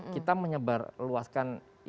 kita menyebar luaskan informasi itu